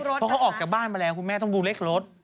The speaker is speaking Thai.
เพราะเขาออกจากบ้านมาแล้วคุณแม่ต้องดูเลขรถ